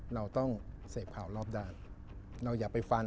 เราต้องเสพข่าวรอบด้านเราอย่าไปฟัน